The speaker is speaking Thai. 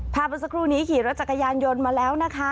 พาบันสกรุนี้ขี่รถจักรยานยนต์มาแล้วนะคะ